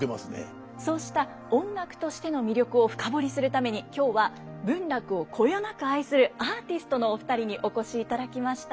そうした音楽としての魅力を深掘りするために今日は文楽をこよなく愛するアーティストのお二人にお越しいただきました。